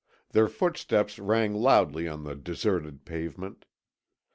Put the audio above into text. Their footsteps rang loudly on the deserted pavement.